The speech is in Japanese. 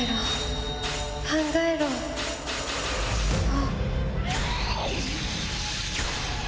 あっ！